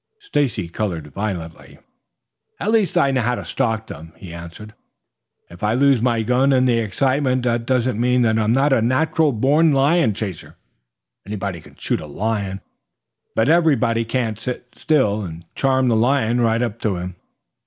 Stacy colored violently. "At least I know how to stalk them," he answered. "If I lose my gun in the excitement that doesn't mean that I'm not a natural born lion chaser. Anybody can shoot a lion, but everybody can't sit still and charm the lion right up to him."